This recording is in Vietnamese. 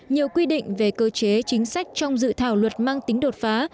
nhiều quy định về cơ chế chính sách trong dự thảo luật mang tính đột phá